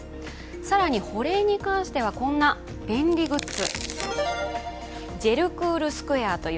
更に保冷に関してはこんな便利グッズ。